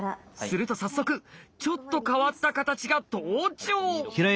すると早速ちょっと変わった形が登場！